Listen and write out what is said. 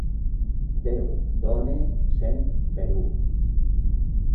Déu dóna cent per u.